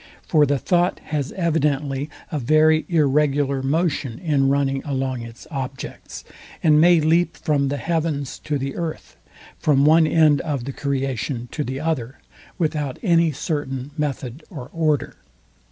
For the thought has evidently a very irregular motion in running along its objects, and may leap from the heavens to the earth, from one end of the creation to the other, without any certain method or order.